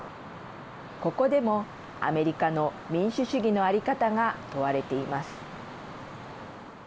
ここでもアメリカの民主主義の在り方が問われています。